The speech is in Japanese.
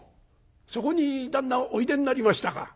そこに旦那おいでになりましたか。